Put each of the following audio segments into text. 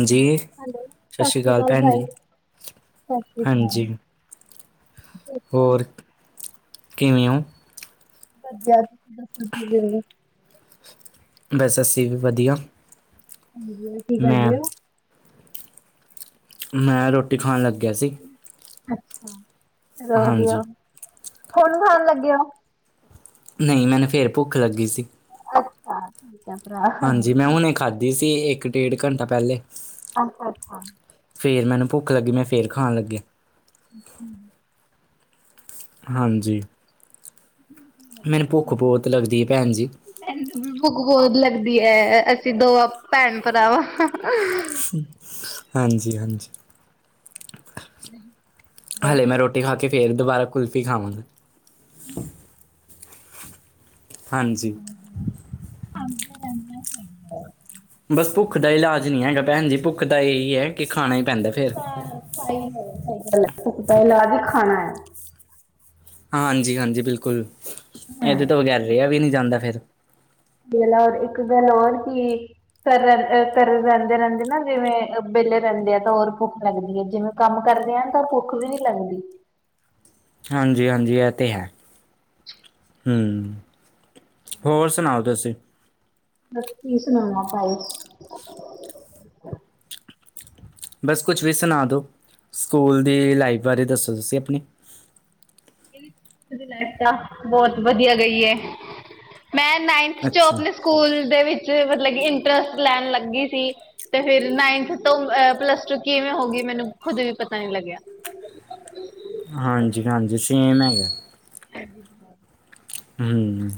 ਹਾਜੀ ਸਤਿ ਸ਼੍ਰੀ ਅਕਾਲ, ਭੈਣ ਜੀ, ਹਾਂਜੀ। ਹੋਰ ਕਿਵੇਂੳ। ਵਧੀਆ ਤੁਸੀਂ ਦੱਸੋ। [unintelligible] ਬਸ ਅੱਸੀਂ ਵੀ ਵਧੀਆ। ਹਾਂਜੀ, ਕੀ ਮੈਂ ਕਰਦੇ ਹੋ। ਮੈਂ ਰੋਟੀ ਖਾਣ ਲੱਗਿਆ ਸੀ। ਅੱਛਾ, ਚਲੋ ਹਾਂਜੀ ਵਧੀਆ ਹੁਣ ਖਾਣ ਲੱਗੇ ਹੋ। ਨਹੀਂ, ਮੈਨੂੰ ਫਿਰ ਭੁੱਖ ਲੱਗੀ ਸੀ। ਅੱਛਾ। ਅੱਛਾ। ਹਾਂਜੀ, ਮੈਂ ਹੁਣੇ ਖਾਧੀ ਸੀ ਇੱਕ ਡੇਢ ਘੰਟਾ ਪਹਿਲੇ। ਅੱਛਾ, ਅੱਛਾ। ਫਿਰ ਮੈਨੂੰ ਭੁੱਖ ਲੱਗੀ ਮੈਂ ਫਿਰ ਖਾਣ ਲੱਗਿਆ। [inaudible] ਹਾਂਜੀ। [inaudible] ਮੈਨੂੰ ਭੁੱਖ ਬਹੁਤ ਲੱਗਦੀ ਹੈ ਭੈਣਜੀ। ਮੈਨੂੰ ਵੀ ਭੁੱਖ ਬਹੁਤ ਲੱਗਦੀ ਹੈ ਅਸੀਂ ਦੋਵਾਂ ਭੈਣ ਭਰਾਵਾਂ। ਹਾਂਜੀ, ਹਾਂਜੀ। [inaudible] ਹਲੇੇ ਮੈਂ ਰੋਟੀ ਖਾ ਕੇ ਫਿਰ ਦੁਬਾਰਾ ਕੁਲਫੀ ਖਾਵਾਂਗਾ। [unintelligible] ਹਾਂਜੀ। [unintelligible] ਬਸ ਭੁੱਖ ਦਾ ਇਲਾਜ ਨਹੀਂ ਹੈਗਾ ਭੈਣ ਜੀ ਭੁੱਖ ਤਾਂ ਇਹੀ ਹੈ ਕਿ ਖਾਣਾ ਹੀ ਪੈਂਦਾ ਫਿਰ। ਭੁਖ ਦਾ ਇਲਾਜ ਹੀ ਖਾਣਾ ਹੈ। ਹਾਂਜੀ, ਹਾਂਜੀ ਬਿਲਕੁਲ ਇਹਦੇ ਤੋਂ ਬਗੈਰ ਰਿਹਾ ਵੀ ਨਹੀਂ ਜਾਂਦਾ ਫਿਰ। [unintelligible] ਘਰ ਰਹਿੰਦੇ, ਰਹਿੰਦੇ ਨਾ ਜਿਵੇਂ ਵਿਹਲੇ ਰਹਿੰਦੇ ਆ ਤਾਂ ਹੋਰ ਭੁੱਖ ਲੱਗਦੀ ਹੈ ਜਿਵੇਂ ਕੰਮ ਕਰਦੇ ਹਾਂ ਤਾਂ ਭੁੱਖ ਵੀ ਨੀ ਲੱਗਦੀ। ਹਾਂਜੀ, ਹਾਂਜੀ ਇਹ ਤੇ ਹੈ। ਹੂੰ, ਹੋਰ ਸੁਣਾਓ ਤੁਸੀਂ? ਬਸ ਕੀ ਸੁਣਾਵਾਂ ਭਾਈ। ਬਸ ਕੁਛ ਵੀ ਸੁਣਾ ਦੋ ਸਕੂਲ ਦੀ ਲਾਈਫ ਬਾਰੇ ਦੱਸੋ ਤੁਸੀਂ ਆਪਣੀ। [unintelligible] ਬਹੁਤ ਵਧੀਆ ਰਹੀ ਹੈ ਮੈਂ ਨਾਈਨਥ ਚੋ ਅੱਛਾ ਆਪਣੇ ਸਕੂਲ ਦੇ ਵਿੱਚ ਮਤਲਬ ਕਿ ਇੰਟਰਸਟ ਲੈਣ ਲੱਗੀ ਸੀ। ਤੇ ਫਿਰ ਨਾਈਨਥ ਤੋਂ ਪਲੱਸ ਟੂ ਕਿਵੇਂ ਹੋ ਗਈ ਮੈਨੂੰ ਖੁਦ ਵੀ ਪਤਾ ਨੀ ਲੱਗਿਆ। ਹਾਂਜੀ, ਹਾਂਜੀ ਸੇਮ ਹੈਗਾ। [inaudible] ਹੂੰ।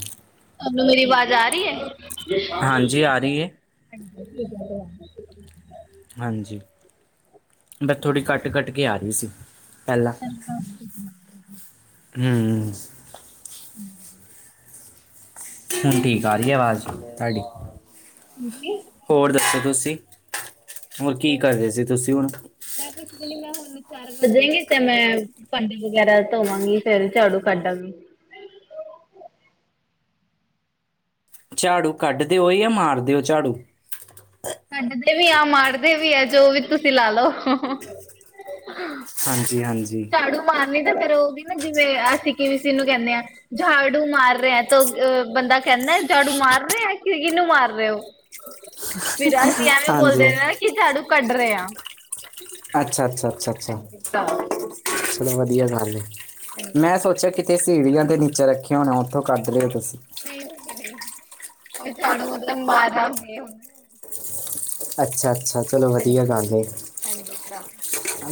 ਤੁਹਾਨੂੰ ਮੇਰੀ ਆਵਾਜ਼ ਆ ਰਹੀ ਏ। ਹਾਂਜੀ ਆ ਰਹੀ ਹੈ ਹਾਂਜੀ, ਬਸ ਥੋੜ੍ਹੀ ਕੱਟ, ਕੱਟ ਕੇ ਆ ਰਹੀ ਸੀ ਪਹਿਲਾਂ। [unintelligible] ਹੂੰ। [inaudible] ਹੁਣ ਠੀਕ ਆ ਰਹੀ ਆਵਾਜ਼ ਤੁਹਾਡੀ। ਹੁਣ ਠੀਕ। ਹੋਰ ਦੱਸੋ ਤੁਸੀਂ ਹੋਰ ਕੀ ਕਰ ਰਹੇ ਸੀ ਤੁਸੀਂ ਹੁਣ? [unintelligible] ਚਾਰ ਵਜਨਗੇ ਤੇ ਮੈਂ ਭਾਂਡੇ ਵਗੈਰਾ ਧੋਵਾਂਗੀ ਫੇਰ ਝਾੜੂ ਕੱਢਾਂਗੀ। ਝਾੜੂ ਕੱਢ ਦਿਓ ਜਾਂ ਮਾਰ ਦਿਓ ਝਾੜੂ। ਕੱਢਦੇ ਵੀ ਆ ਮਾਰਦੇ ਵੀ ਆ ਜੋ ਵੀ ਤੁਸੀਂ ਲਾ ਲਓ। ਹਾਂਜੀ, ਹਾਂਜੀ। ਝਾੜੂ ਮਾਰਨੀ ਤਾਂ ਫੇਰ ਉਹਦੀ ਨਾ ਜਿਵੇਂ ਅਸੀਂ ਕਿਵੇਂਨੂੰ ਕਹਿੰਦੇ ਹਾਂ ਝਾੜੂ ਮਾਰ ਰਿਹਾ ਤੋ ਅ ਬੰਦਾ ਕਹਿੰਦਾ ਝਾੜੂ ਮਾਰ ਰਿਹਾ ਕਿ ਕਿਹਨੂੰ ਮਾਰ ਰਹੇ ਹੋ ਫਿਰ ਅਸੀਂ ਐਵੇਂ ਹਾਂਜੀ ਬੋਲਦੇ ਕਿ ਝਾੜੂ ਕੱਢ ਰਹੇ ਹਾਂ ਅੱਛਾ ਅੱਛਾ ਅੱਛਾ ਅੱਛਾ ਚਲੋ ਵਧੀਆ ਗੱਲ ਮੈਂ ਸੋਚਿਆ ਸੀੜੀਆਂ ਤੇ ਨੀਚਾ ਰੱਖਿਆ ਹੋਣਾ ਉੱਥੋਂ ਕੱਢ ਰਿਓ ਤੁਸੀਂ ਨਹੀਂ ਨਹੀਂ [unintelligible] ਅੱਛਾ ਅੱਛਾ ਚਲੋ ਵਧੀਆ ਗਲ ਹੈ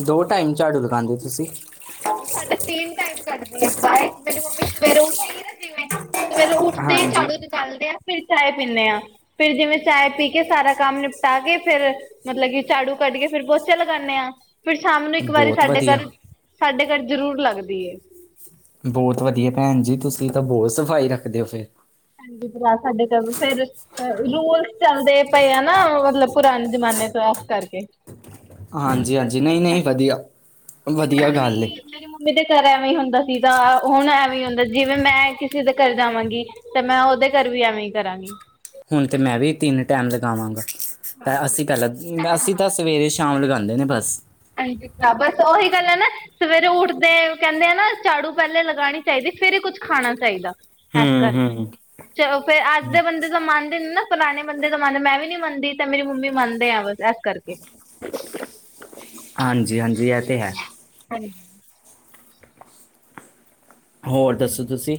ਦੋ ਟਾਈਮ ਝਾੜੂ ਲਗਾਦੇ ਹੋ ਤੁਸੀਂ ਸਾਡੇ ਤਿੰਨ ਟਾਈਮ [unintelligible] ਸਵੇਰ ਉੱਠਦੇ ਹੀ ਹਾਂਜੀ ਝਾੜੂ ਨਿਕਾਲਦੇ ਆ ਫਿਰ ਚਾਏ ਪੀਂਦੇ ਹਾਂ ਫਿਰ ਜਿਵੇਂ ਚਾਏ ਪੀ ਕੇ ਸਾਰਾ ਕੰਮ ਨਿਪਟਾ ਕੇ ਫਿਰ ਮਤਲਬ ਕਿ ਝਾੜੂ ਕੱਢ ਕੇ ਫਿਰ ਪੋਚਾ ਲਗਾਉਂਦੇ ਹਾਂ ਫਿਰ ਸ਼ਾਮ ਨੂੰ ਇੱਕ ਵਾਰੀ ਬਹੁਤ ਸਾਡੇ ਵਧੀਆ ਘਰ ਸਾਡੇ ਘਰ ਜ਼ਰੂਰ ਲੱਗਦੀ ਹੈ ਬਹੁਤ ਵਧੀਆ ਭੈਣ ਜੀ ਤੁਸੀਂ ਤਾਂ ਬਹੁਤ ਸਫ਼ਾਈ ਰੱਖਦੇ ਹੋ ਫਿਰ [unintelligible] ਰੂਲਸ ਚੱਲਦੇ ਪਏ ਆ ਨਾ ਮਤਲਬ ਪੁਰਾਣੇ ਜਮਾਨੇ ਤੋਂ ਉਸ ਕਰਕੇ ਹਾਂਜੀ-ਹਾਂਜੀ, ਨਹੀਂ-ਨਹੀਂ ਵਧੀਆ। ਮੈਨੂੰ ਵਧੀਆ ਹੁਣ ਗੱਲ ਵੀ ਏ ਮੇਰੀ ਮੰਮੀ ਦੇ ਘਰ ਐਵੇਂ ਹੀ ਹੁੰਦਾ ਸੀ ਤਾਂ ਹੁਣ ਐਵੇਂ ਹੀ ਹੁੰਦਾ ਜਿਵੇਂ ਮੈਂ ਕਿਸੇ ਦੇ ਘਰ ਜਾਵਾਂਗੀ। ਤੇ ਮੈਂ ਉਹਦੇ ਘਰ ਵੀ ਐਵੇਂ ਈ ਕਰਾਂਗੀ। ਹੁਣ ਤੇ ਮੈਂ ਵੀ ਤਿੰਨ ਟਾਈਮ ਲਗਾਵਾਂਗਾ, ਤਾਂ ਅਸੀਂ ਪਹਿਲਾਂ ਅਸੀਂ ਸਵੇਰੇ- ਸ਼ਾਮ ਲਗਾਦੇ ਨੇ ਬਸ। ਹਾਂਜੀ [inaudible] ਬਸ ਉਹੀ ਗੱਲ ਏ ਨਾ ਸਵੇਰੇ ਉੱਠਦੇ ਕਹਿੰਦੇ ਆ ਨਾ ਝਾੜੂ ਪਹਿਲੇ ਲਗਾਣੀ ਚਾਹੀਦੀ ਫੇਰ ਹੀ ਕੁੱਝ ਖਾਣਾ ਚਾਹੀਦਾ। ਇਸ ਹੂੰ ਕਰਕੇ, ਹੂੰ ਚ ਫੇਰ ਅੱਜ ਦੇ ਬੰਦੇ ਤਾ ਮਨ ਤੇ ਨਾ ਪੁਰਾਣੇ ਬੰਦੇ ਦਾ ਮੰਨਦ, ਮੈਂ ਵੀ ਨੀ ਮੰਨਦੀ ਤਾਂ ਮੇਰੀ ਮੰਮੀ ਮੰਨਦੇ ਆ ਇਸ ਕਰਕੇ। ਹਾਂਜੀ-ਹਾਂਜੀ ਇਹ ਤੇ ਹੈ। ਹਾਂਜੀ ਹੋਰ ਦੱਸੋ ਤੁਸੀਂ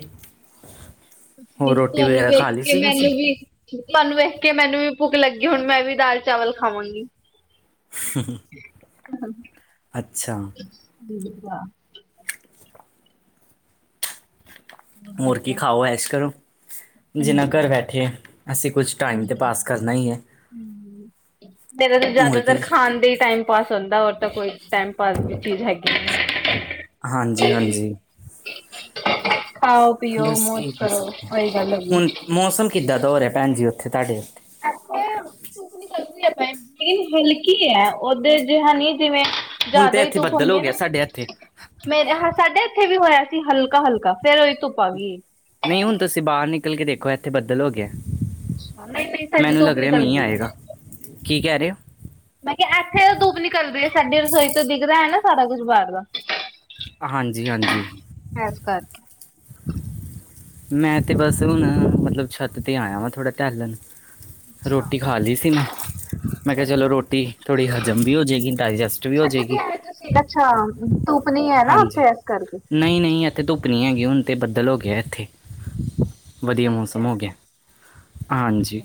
ਹੋਰ ਰੋਟੀ ਤੁਹਾਨੂੰ ਵਗੈਰਾ ਵੇਖ ਖਾ ਲਈ ਕੇ ਸੀ ਮੈਨੂੰ ਤੁਸੀਂ ਵੀ ਤੁਹਾਨੂੰ ਵੇਖ ਕੇ ਮੈਨੂੰ ਵੀ ਭੁੱਖ ਲੱਗੀ, ਹੁਣ ਮੈਂ ਵੀ ਦਾਲ-ਚਾਵਲ ਖਾਵਾਂਗੀ। ??? [unintelligible] ??? [inaudible] ਅੱਛਾ। [inaudible] ਮੂੱਰਗੀ ਖਾਓ ਐਸ ਕਰੋ। ਜਿੰਨਾ ਘਰ ਬੈਠੇ ਅਸੀਂ ਕੁਛ ਟਾਈਮ ਤੇ ਪਾਸ ਕਰਨਾ ਹੀ ਐ। ਮੇਰਾ ਤਾਂ ਕੀ ਜ਼ਿਆਦਾਤਰ ਖਾਣ ਦਾ ਹੀ ਟਾਈਮ ਪਾਸ ਹੁੰਦਾ ਹੋਰ ਤਾਂ ਕੋਈ ਟਾਈਮ ਪਾਸ ਦੀ ਚੀਜ਼ ਹੈਣੀ। ਹਾਂਜੀ-ਹਾਂਜੀ ਖਾਓ ਪੀਓ ਬਸ ਮੌਜ ਕੀ ਕਰ ਕਰੋ ਸਕਣੇ ਹਾਂ, ਉਹੀ ਗੱਲ ਹੈਗੀ। ਹੁਣ ਮੌਸਮ ਕਿੱਦਾਂ ਹੋ ਰਿਆ ਭੈਣਜੀ ਉੱਥੇ ਤਾਡੇ। ਚੱਲਦੀ ਆਪ [inaudible] ਲੇਕਿਨ ਹਲਕੀ ਹੈ। ਓਧਰ ਜਿਹਾ ਨੀ ਜਿਵੇਂ ਹੁਣ ਤੇ ਜਿਆਦਾ ਹੀ ਇੱਥੇ ਧੂਪ ਬੱਦਲ ਹੁੰਦੀ ਹੋ ਹੈ ਨਾ ਗਿਆ ਸਾਡੇ ਇੱਥੇ ਮੇਰੇ ਹ ਸਾਡੇ ਇੱਥੇ ਵੀ ਹੋਇਆ ਸੀ ਹਲਕਾ- ਹਲਕਾ ਫੇਰ ਉਹੀ ਤੁਪ ਨਹੀਂ ਹੁਣ ਤੁਸੀਂ ਬਾਹਰ ਨਿਕਲ ਕੇ ਦੇਖੋ ਇੱਥੇ ਬੱਦਲ ਹੋ ਗਐ। ਨਹੀਂ-ਨਹੀਂ ਸਾਡੇ ਧੁੱਪ ਨੀਕਲ ਮੀਂਹ ਗਈ ਆਏਗਾ ਹੈ। ਕੀ ਕਹਿ ਰਹੇ ਹੋ ਮੈਂ ਕਿਹਾ ਇੱਥੇ ਤੇ ਧੁੱਪ ਨਿਕਲਦੀ ਸਾਡੀ ਰਸੋਈ ਤੋਂ ਦਿਖਦਾ ਹੈ ਨਾ ਸਾਰਾ ਕੁਛ ਬਾਹਰ ਦਾ।?? [inaudible] ਹਾਂਜੀ-ਹਾਂਜੀ ਇਸ ਕਰਕੇ ਮੈਂ ਤੇ ਬਸ ਹੁਣ ਮਤਲਬ ਛੱਤ ਤੇ ਆਇਆ ਵਾ ਥੋੜਾ ਟੈਲਣ। ਰੋਟੀ ਖਾ ਲਈ ਸੀ ਮੈਂ, ਮੈਂ ਕਿਹਾ ਚਲੋ ਰੋਟੀ ਥੋੜ੍ਹੀ ਹਜ਼ਮ ਵੀ ਹੋ ਜੇਏਗੀ ਡਾਇਜਸਟ ਵੀ ਹੋ ਅੱਛਾ ਤੇ ਜੇਏਗੀ। ਆਏ ਤੁਸੀਂ ਅੱਛਾ ਤੂਪ ਨੀ ਹੈ ਨਾ ਉੱਥੇ ਇਸ ਕਰਕੇ। ਨਹੀਂ-ਨਹੀਂ ਏਥੇ ਧੁੱਪ ਨਹੀਂ ਹੈਗੀੁ ਹੂਨ ਤੇ ਬੱਦਲ ਹੋ ਗਿਆ ਇੱਥੇ। ਵਧੀਆ ਮੌਸਮ ਹੋ ਗਿਆ ਹਾਂਜੀ।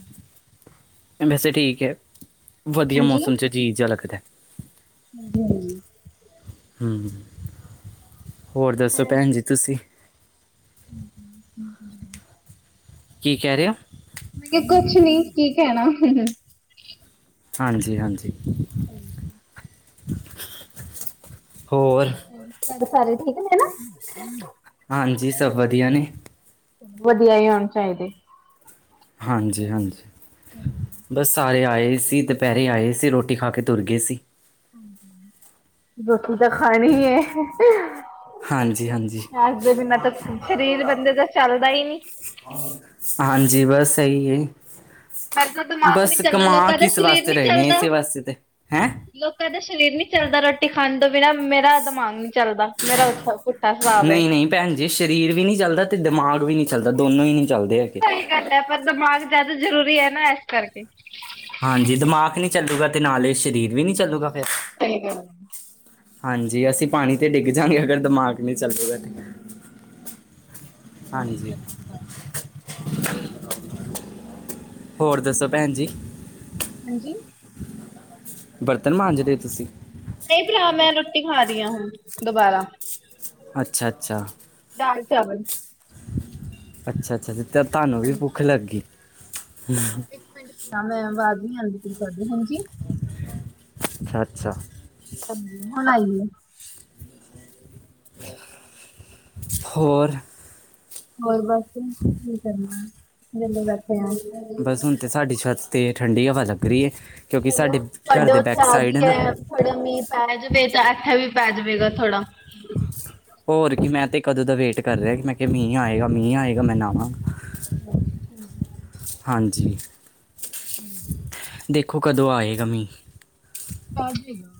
ਵੈਸੇ ਠੀਕ ਹੈ ਵਧੀਆ ਮੌਸਮ ਚ ਜੀਜਾ ਲੱਗਦੈ। ਹਾਂਜੀ-ਹਾਂਜੀ ਹੂੰ ਹੋਰ ਦੱਸੋ ਭੈਣ ਜੀ ਤੁਸੀਂ। ਹਮ ਹ ਹਮ ਹਮ [unintelligible] ਕੀ ਕਹਿ ਰੇ ਓ ਮੈਂ ਕਿਹਾ ਕੁਛ ਨੀ ਕੀ ਕਹਿਣਾ ਹਾਂਜੀ ਹਾਂਜੀ ਹਾਂਜੀ ਹੋਰ ਘਰ ਸਾਰੇ ਠੀਕ ਨੇ ਨਾ। ਹਾਂਜੀ ਸਭ ਵਧੀਆ ਨੇ ਵਧੀਆ ਈ ਹੋਣ ਚਾਈਦੇ ਹਾਂਜੀ ਹਾਂਜੀ ਬਸ ਸਾਰੇ ਆਏ ਸੀ ਦੁਪਹਿਰੇ ਆਏ ਸੀ ਰੋਟੀ ਖਾ ਕੇ ਤੁਰ ਗੇ ਸੀ ਹੂੰ ਹੂੰ ਰੋਟੀ ਤਾਂ ਖਾਣੀ ਐ ਹਾਂਜੀ ਹਾਂਜੀ ਏਸ ਦੇ ਬਿਨਾਂ ਤਾਂ ਸ਼ਰੀਰ ਬੰਦੇ ਦਾ ਚੱਲਦਾ ਈ ਨੀ ਹਾਂਜੀ ਬਸ ਸਈ ਏ ਮੇਰੇ ਤਾਂ ਦਿਮਾਗ ਨੀ ਬਸ ਚੱਲਦਾ ਕਮਾ ਲੋਕਾਂ ਦਾ ਕਿਸ ਸਰੀਰ ਵਾਸਤੇ ਨੀ ਰੇ ਨੇ ਚੱਲਦਾ ਇਸੇ ਵਾਸਤੇ ਤੇ ਹੈਂ ਲੋਕਾਂ ਦਾ ਸਰੀਰ ਨੀ ਚੱਲਦਾ ਰੋਟੀ ਖਾਣ ਤੋਂ ਬਿਨਾਂ ਮੇਰਾ ਦਿਮਾਗ ਨੀ ਚੱਲਦਾ ਮੇਰਾ ਉਠਾ ਨਹੀਂ ਨਹੀਂ ਭੈਣ ਜੀ ਸਰੀਰ ਵੀ ਨਹੀਂ ਚੱਲਦਾ ਤੇ ਦਿਮਾਗ ਵੀ ਨਹੀਂ ਚੱਲਦਾ ਦੋਨੋ ਹੀ ਨਹੀਂ ਚੱਲਦੇ ਹੈਗੇ ਸਈ ਗੱਲ ਐ ਪਰ ਦਿਮਾਗ ਜਿਆਦਾ ਜ਼ਰੂਰੀ ਐ ਨਾ ਐਸ ਕਰਕੇ ਹਾਂਜੀ ਦਿਮਾਗ ਨਹੀਂ ਚੱਲੂਗਾ ਤੇ ਨਾਲੇ ਸਰੀਰ ਵੀ ਨਹੀਂ ਚੱਲੂਗਾ ਫਿਰ ਸਈ ਗੱਲ ਐ ਹਾਂਜੀ ਅਸੀਂ ਪਾਣੀ ਤੇ ਡਿੱਗ ਜਾਗੇ ਅਗਰ ਦਿਮਾਗ ਨਹੀਂ ਚੱਲੂਗਾ ਤਾਂ ਹਾਂਜੀ ਹੋਰ ਦੱਸੋ ਭੈਣ ਜੀ ਹਾਂਜੀ ਬਰਤਨ ਮਾਂਜਦੇ ਤੁਸੀਂ ਨਹੀਂ ਭਰਾ ਮੈਂ ਰੋਟੀ ਖਾ ਰੀ ਆਂ ਹੁਣ ਦੁਬਾਰਾ ਅੱਛਾ ਅੱਛਾ ਦਾਲ ਚਾਵਲ ਅੱਛਾ ਅੱਛਾ ਤੇ ਤਾਂ ਤੁਹਾਨੂੰ ਵੀ ਭੁੱਖ ਲੱਗੀ ਇੱਕ ਮਿੰਟ ਮੈਂ ਅਵਾਜ ਨੀ ਆਂਦੀ [unintelligible] ਕਰਦੀ ਹਾਂਜੀ [unintelligible] ਅੱਛਾ ਹੁਣ ਆਈਏ ਹੋਰ ਹੋਰ ਬਸ ਹ [unintelligible] ਕੀ ਕਰਨਾ ਵੇਹਲ਼ੇ ਬੈਠੇ ਆ ਅਤੇ ਸਾਡੀ ਛੱਤ 'ਤੇ ਠੰਡੀ ਹਵਾ ਲੱਗ ਰੀ ਐ ਕਿਉਂਕਿ ਸਾਡੇ ਘਰ ਤੁਹਾਡੇ ਦੇ ਉੱਥੇ ਬੈਕ ਆ ਸਾਈਡ ਗਈ ਹੈ ਨਾ ਐ ਥੋੜਾ ਮੀਂਹ ਪੈ ਜਾਵੇ ਤਾਂ ਇੱਥੇ ਵੀ ਪੈ ਜਾਵੇਗਾ ਥੋੜਾ ਹੋਰ ਕੀ ਮੈਂ ਤੇ ਕਦੋਂ ਦਾ ਵੇਟ ਕਰ ਰਿਹਾ ਕਿ ਮੈਂ ਕਿਹਾ ਮੀਂਹ ਆਏਗਾ ਮੀਂਹ ਆਏਗਾ ਮੈਂ ਨਾਵਾਂ [inaudible] ਹਾਂਜੀ! ਹੂੰ! ਦੇਖੋ ਕਦੋਂ ਆਏਗਾ ਮੀਂਹ। ਅਜੇਗਾ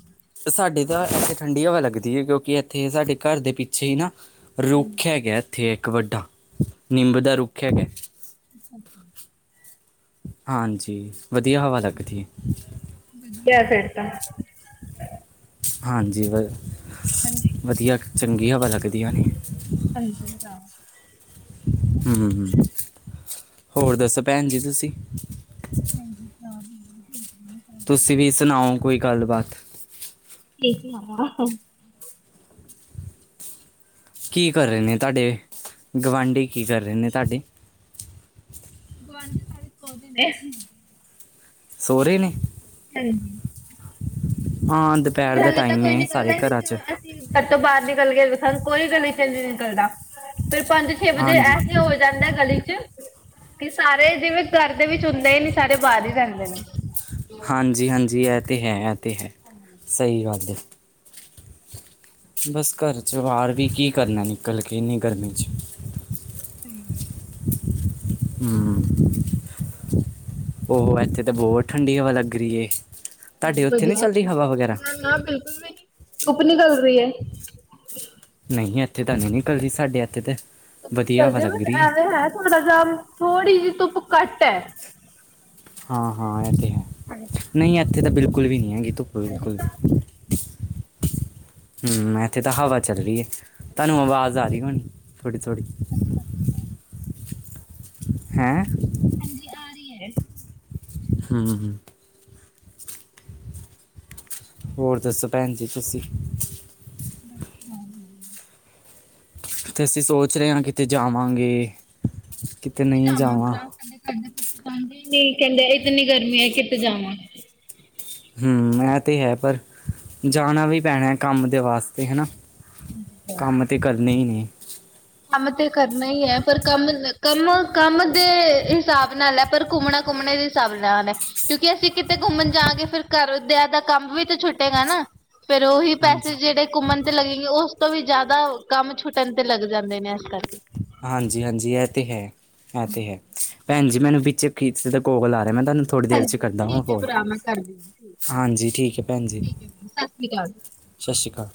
ਫਿਰ ਸਾਡੇ ਤਾਂ ਇੱਥੇ ਠੰਡੀ ਹਵਾ ਲੱਗਦੀ ਐ ਕਿਉਂਕਿ ਇੱਥੇ ਸਾਡੇ ਘਰ ਦੇ ਪਿੱਛੇ ਈ ਨਾ। ਰੁੱਖ ਹੈਗਾ ਇੱਥੇ ਇੱਕ ਵੱਡਾ ਨਿੰਮ ਦਾ ਰੁੱਖ ਹੈਗਾ। ਅੱਛਾ! ਅੱਛਾ! [inaudible] ਹਾਂਜੀ! ਵਧੀਆ ਹਵਾ ਲੱਗਦੀ। ਵਪਿਅ ਕਿਆ ਫੇਰ ਤਾਂ। ਹਾਂਜੀ ਵ ਹਾਂਜੀ! ਵਧੀਆ ਕ ਚੰਗੀ ਹਵਾ ਲੱਗਦੀ ਹੋਣੀ। ਹਾਂਜੀ! ਹੂੰ-ਹੂੰ ਹੋਰ ਦੱਸੋ ਭੈਣ ਜੀ ਤੁਸੀਂ। ਹਾਂਜੀ ਸੁਣਾ ਰਹੀ ਹਾਂ। [inaudible] ਤੁਸੀਂ ਵੀ ਸੁਣਾਓ ਕੋਈ ਗੱਲਬਾਤ। ਕਿ ਸੁਣਾਵਾ। ਕੀ ਕਰ ਰਹੇ ਨੇ ਤੁਹਾਡੇ ਗੁਵਾਂਢੀ ਕੀ ਕਰ ਰਹੇ ਨੇ ਤੁਹਾਡੇ? ਗੁਆਂਢੀ ਸਾਰੇ ਸੌਗੇ ਨੇ। ਸੌ ਰਹੇ ਨੇ। ਹਾਂਜੀ! ਹਾਂ ਦੁਪਹਿਰ ਕਿਉਂਕਿ ਦਾ ਹਲੇ ਤਾਂ ਟਾਈਮ ਹੈ ਕੋਈ ਸਾਰੇ ਨਿਕਲਦਾ ਘਰਾਂ ਨਹੀਂ 'ਚ ਪਆ। ਘਰ ਤੋਂ ਬਾਹਰ ਨਿਕਲ ਕੇ ਗਏ ਸਾਨੂੰ ਕੋਈ ਗਲ਼ੀ ਚੋਂ [inaudible] ਨਹੀਂ ਨਿਕਲਦਾ। ਫੇਰ ਪੰਜ ਛੇ ਵਜੇ ਹਾਂਜੀ ਐਸੇ ਹੋ ਜਾਂਦਾ ਗਲ਼ੀ ਚ। ਕਿ ਸਾਰੇ ਜਿਵੇਂ ਘਰ ਦੇ ਵਿੱਚ ਹੁੰਦੇ ਹੀ ਨੀ ਸਾਰੇ ਬਾਹਰ ਹੀ ਰਹਿੰਦੇ ਨੇ। ਹਾਂਜੀ-ਹਾਂਜੀ, ਇਹ ਤਾਂ ਹੈ ਇਹ ਤਾਂ ਹੈ। ਹਾਂਜੀ! ਸਹੀ ਗੱਲ ਏ। ਬਸ ਘਰ ਚੋਂ ਬਾਹਰ ਵੀ ਕੀ ਕਰਨਾ ਨਿਕਲ ਇਨੀਂ ਗਰਮੀ ਚ। ਹਾਂਜੀ! [inaudible] ਹੂੰ! ਔ ਇੱਥੇ ਤਾਂ ਬਹੁਤ ਠੰਡੀ ਹਵਾ ਲੱਗ ਰਈ ਏ। ਉੱਥੇ ਨਹੀਂ ਵਧੀਆ ਚੱਲਦੀ ਹਵਾ ਵਗੈਰਾ ਨਾ-ਨਾ ਬਿਲਕੁਲ ਵੀ ਨੀ ਧੁੱਪ ਨਿਕਲ ਰਹੀ ਏ। ਨਹੀਂ ਇੱਥੇ ਤਾਂ ਨੀ ਨਿਕਲਦੀ ਸਾਡੇ ਇੱਥੇ ਤੇ। ਸਾਡੇ ਬਸ ਐਵੇਂ ਹੈ ਥੋੜ੍ਹਾ ਜਿਹਾ ਥੋੜ੍ਹੀ ਜਿਹੀ ਧੁੱਪ ਘੱਟ ਹੈ। ਹਾਂ-ਹਾਂ ਇਹ ਤੇ ਹੈ ਨਹੀਂ ਇੱਥੇ ਤਾਂ ਬਿਲਕੁਲ ਵੀ ਨਹੀਂ ਹੈਗੀ ਧੁੱਪ ਬਿਲਕੁਲ ਵੀ। ਹੂੰ! ਇੱਥੇ ਤਾਂ ਹਵਾ ਚੱਲ ਰਹੀ ਹੈ ਤੁਹਾਨੂੰ ਆਵਾਜ਼ ਆ ਰਹੀ ਹੋਣੀ ਥੋੜ੍ਹੀ- ਥੋੜ੍ਹੀ। ਅੱਛਾ-ਅੱਛਾ! ਹੈਂ? ਹਾਂਜੀ ਆ ਰਹੀ ਹੈ। ਹੂੰ। ਹੋਰ ਦੱਸੋ ਭੈਣ ਜੀ ਤੁਸੀਂ? ਮੈਂ ਕੁਛ ਖਾ ਰਹੀ। ਤੇ ਅਸੀਂ ਸੋਚ ਰਹੇ ਹਾਂ ਕਿਤੇ ਜਾਵਾਂਗੇ। ਕਿਤੇ ਕਿੱਥੇ ਨਹੀਂ ਜਾਵਾਂ ਜਾਵਾਂਗਾ ਕਹਿੰਦੇ ਇਤਨੀ ਗਰਮੀ ਹੈ ਕਿੱਥੇ ਜਾਵਾਂ। ਹੂੰ! ਇਹ ਤੇ ਹੈ ਪਰ ਜਾਣਾ ਵੀ ਪੈਣਾ ਹੈ ਕੰਮ ਦੇ ਵਾਸਤੇ ਹਨਾ। ਕੰਮ ਤੇ ਕਰਨੇ ਹੀ ਨੇ। ਕੰਮ ਤਾਂ ਕਰਨਾ ਹੀ ਹੈ ਪਰ ਕੰਮ ਕੰਮ ਕਾਮ ਦੇ ਹਿਸਾਬ ਨਾਲ ਹੈ। ਪਰ ਘੁੰਮਣਾ- ਘੁੰਮਣੇ ਦੇ ਹਿਸਾਬ ਨਾਲ ਏ। ਕਿਉਂਕਿ ਅਸੀਂ ਕਿਤੇ ਘੁੰਮਣ ਜਾਵਾਂਗੇ, ਤਾਂ ਘਰ ਦੇ ਕੰਮ ਵੀ ਛੁੱਟ ਗਾ ਨਾ। ਫੇਰ, ਉਹੀ ਪੈਸੇ ਹਾਂਜੀ ਜੇੜੇ ਘੁੰਮਣ ਤੇ ਲੱਗੇਗੇ, ਉਸ ਤੋਂ ਵੀ ਜਿਆਦਾ ਕੰਮ ਛੁੱਟਣ ਤੇ ਲੱਗ ਜਾਂਦੇ ਨੇ, ਅਜ-ਕਲ ਹਾਂਜੀ-ਹਾਂਜੀ, ਇਹ ਤਾਂ ਹੈ, ਇਹ ਤਾਂ ਹੈ। ਭੈਣਜੀ, ਮੈਨੂੰ ਪਿਛੇ ਕਿਸੇ ਦਾ ਕੋਲ ਆ ਰਿਹਾ ਕਿ ਮੈਂ ਤੁਹਾਨੂੰ ਥੋੜੀ ਦੇਰ 'ਚ ਹਾਂਜੀ, ਕਰਦਾ ਹਾਂ ਠੀਕ ਆ, ਫੋਨ ਭਰਾ ਮੈਂ ਕਰਦੀ ਹਾਂ। ਹਾਂਜੀ, ਠੀਕ ਹੈ ਭੈਣ ਜੀ, ਸਤਿ ਸ਼੍ਰੀ ਅਕਾਲ।